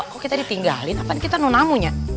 kok kita ditinggalin apaan kita nunamunya